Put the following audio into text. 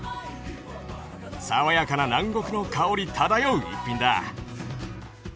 爽やかな南国の香り漂う逸品だ。